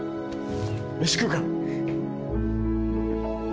飯食うか？